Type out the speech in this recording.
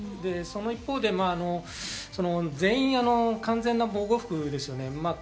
その一方で、全員、完全な防護服ですよね。